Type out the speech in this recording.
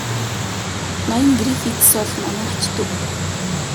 Ноён Грифитс бол манай ач дүү.